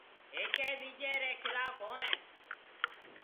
هيَڪيَ ٻِيجي ريَ خلاف هوئڻ۔